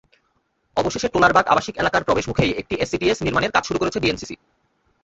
অবশেষে টোলারবাগ আবাসিক এলাকার প্রবেশমুখেই একটি এসটিএস নির্মাণের কাজ শুরু করেছে ডিএনসিসি।